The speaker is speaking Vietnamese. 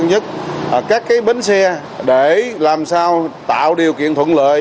nhất là các bến xe để làm sao tạo điều kiện thuận lợi